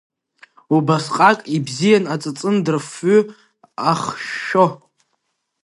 Убасҟак ибзиан, аҵаҵындра фҩы ахшәшәо.